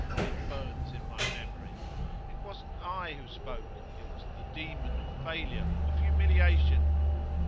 It burns in my memory. It wasn't I who spoke; it was the demon of failure, of humiliation.